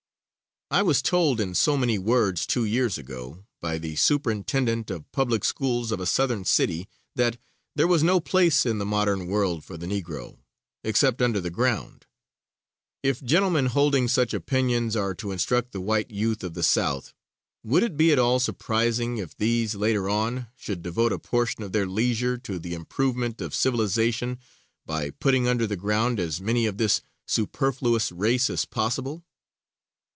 I was told, in so many words, two years ago, by the Superintendent of Public Schools of a Southern city that "there was no place in the modern world for the Negro, except under the ground." If gentlemen holding such opinions are to instruct the white youth of the South, would it be at all surprising if these, later on, should devote a portion of their leisure to the improvement of civilization by putting under the ground as many of this superfluous race as possible?